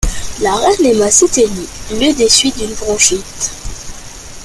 La reine Emma s'éteignit le des suites d'une bronchite.